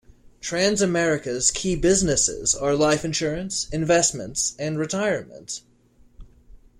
Transamerica's key businesses are life insurance, investments and retirement.